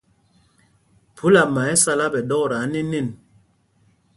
Phúlama ɛ́ sálá ɓɛ̌ ɗɔkta anēnēn.